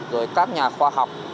rồi các nhà khoa học